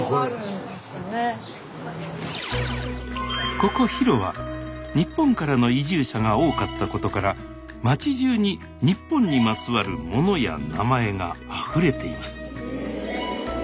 ここヒロは日本からの移住者が多かったことから町じゅうに日本にまつわる「もの」や「名前」があふれています